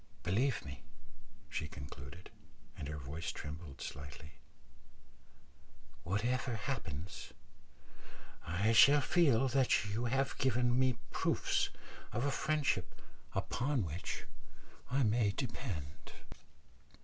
Believe me," she concluded, and her voice trembled slightly, "whatever happens, I shall feel that you have given me proofs of a friendship upon which I may depend."